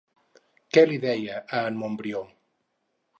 Què li deia a en Montbrió?